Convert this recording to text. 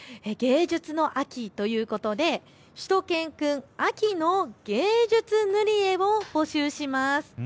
芸術の秋ということでしゅと犬くん秋の芸術塗り絵を募集します。